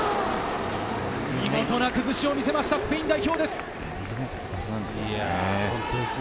見事な崩しを見せました、スペイン代表です。